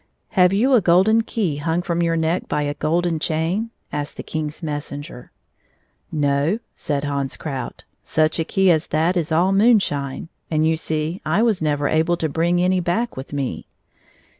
" Have you a golden key hung from your neck by a golden chain ?" asked the King's messenger. " No," said Hans Krout, " such a key as that is all moonshine, and, you see, I was never able to bring any back with me."